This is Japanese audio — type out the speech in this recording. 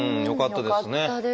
よかったです。